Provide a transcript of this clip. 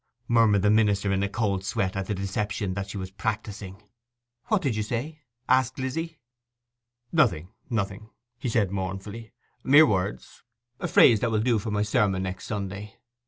murmured the minister, in a cold sweat at the deception that she was practising. 'What did you say?' asked Lizzy. 'Nothing, nothing,' said he mournfully. 'Mere words—a phrase that will do for my sermon next Sunday.